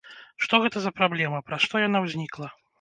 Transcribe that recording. Што гэта за праблема, праз што яна ўзнікла?